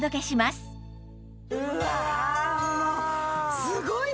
すごいね！